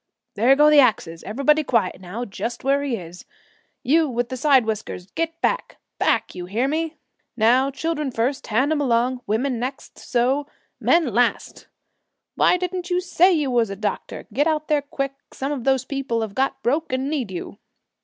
There go the axes; everybody quiet now, just where he is You with the side whiskers get back, back, hear me! Now, children first, hand 'em along women next, so men last Why didn't you say you was a doctor? Get out there quick; some of those people have got broke and need you!'